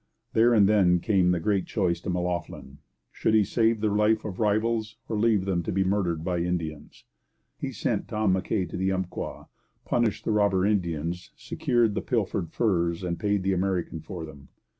There and then came the great choice to M'Loughlin should he save the life of rivals, or leave them to be murdered by Indians? He sent Tom Mackay to the Umpqua, punished the robber Indians, secured the pilfered furs, and paid the American for them.